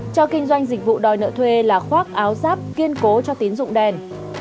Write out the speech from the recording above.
cho kinh doanh dịch vụ đòi nợ thuê là khoác áo giáp kiên cố cho tín dụng đèn